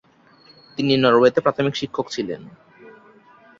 তিনি নরওয়েতে প্রাথমিক শিক্ষক ছিলেন।